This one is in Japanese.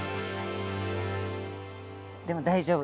でも大丈夫。